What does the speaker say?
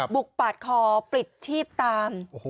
ปาดคอปลิดชีพตาม